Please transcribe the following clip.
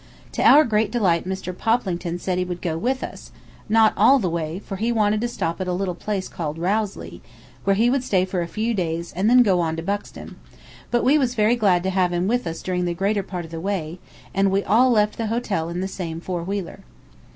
To our great delight Mr. Poplington said he would go with us, not all the way, for he wanted to stop at a little place called Rowsley, where he would stay for a few days and then go on to Buxton; but we was very glad to have him with us during the greater part of the way, and we all left the hotel in the same four wheeler.